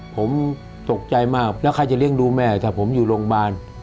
ผมตกใจมากแล้วใครจะเลี้ยงดูแม่ถ้าผมอยู่โรงพยาบาล